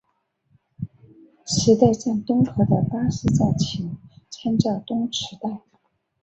池袋站东口的巴士站请参照东池袋。